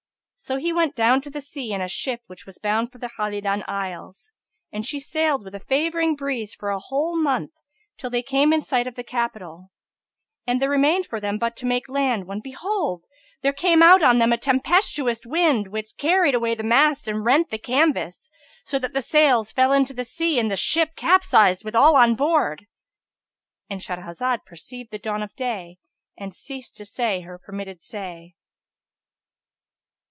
So he went down to the sea in a ship which was bound for the Khalidan Isles, and she sailed with a favouring breeze for a whole month, till they came in sight of the capital; and there remained for them but to make the land when, behold, there came out on them a tempestuous wind which carried away the masts and rent the canvas, so that the sails fell into the sea and the ship capsized, with all on board,—And Shahrazad perceived the dawn of day and ceased to say her permitted say.